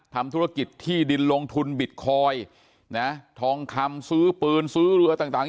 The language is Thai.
ทำธุรกิจที่ดินลงทุนบิตคอยน์นะทองคำซื้อปืนซื้อเรือต่าง